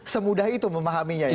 semudah itu memahaminya ya